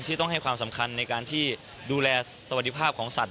ต้องให้ความสำคัญในการที่ดูแลสวัสดิภาพของสัตว